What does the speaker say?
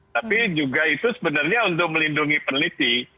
tapi juga itu sebenarnya untuk melindungi peneliti